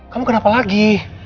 kamu kenapa lagi